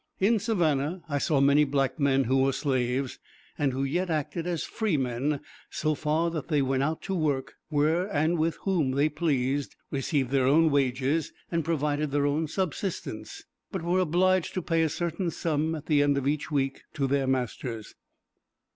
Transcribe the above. In Savannah I saw many black men who were slaves, and who yet acted as freemen so far that they went out to work, where and with whom they pleased, received their own wages, and provided their own subsistence; but were obliged to pay a certain sum at the end of each week to their masters.